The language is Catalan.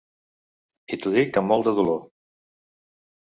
I t’ho dic amb molt de dolor.